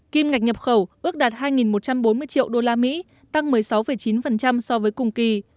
kim ngạch nhập khẩu ước đạt hai một trăm bốn mươi triệu usd tăng một mươi sáu chín so với cùng kỳ